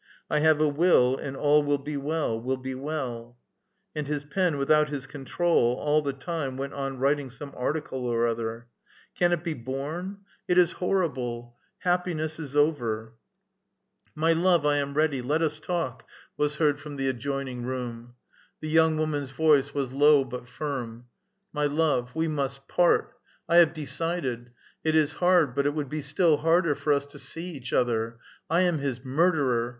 I have a will, and all will be well, will be well." And his pen, without his control, all the time went on writing some article or other. " Can it be borne? It is horrible ! Happiness is over !"" My love, I am ready. Let us talk," was heard from the A VITAL QUESTION. 7 adjoining room. The young woman's voice was low but firm. • My love, we must part. I have decided. It is hard, but it would be still harder for us to see each other. I am his murderer.